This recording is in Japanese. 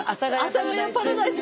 阿佐ヶ谷パラダイス。